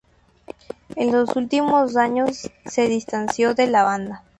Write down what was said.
En los últimos años se distanció de la banda.